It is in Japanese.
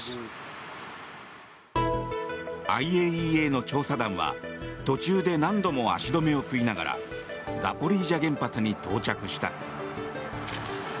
ＩＡＥＡの調査団は途中で何度も足止めを食いながらザポリージャに到着した。